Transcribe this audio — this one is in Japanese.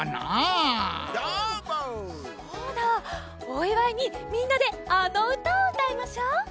おいわいにみんなであのうたをうたいましょう。